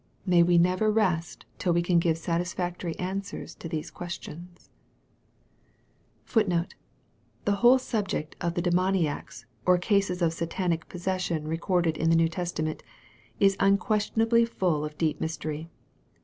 May we never rest till we can give satisfactory answers to these questions.* * The whole subject of the demoniacs, or cases of Satanic posses sion recorded in the New Testament, is unquestionably full of deep mystery.